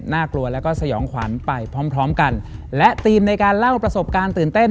กลัวแล้วก็สยองขวัญไปพร้อมพร้อมกันและทีมในการเล่าประสบการณ์ตื่นเต้น